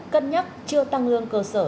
cân nhắc chưa tăng lương cơ sở